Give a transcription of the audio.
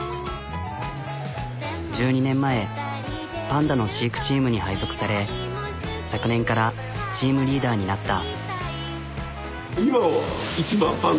１２年前パンダの飼育チームに配属され昨年からチームリーダーになった。